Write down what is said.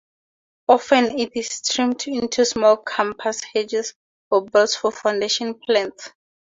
Often it is trimmed into small compact hedges or balls for foundation plants.